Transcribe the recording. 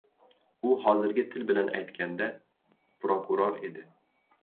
U hozirgi til bilan aytganda prokuror edi.